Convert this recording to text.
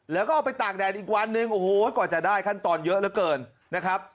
แล้วก็เอาไปตากแดดอีกวันหนึ่งโอ้โหกว่าจะได้ขั้นตอนเยอะเหลือเกินนะครับ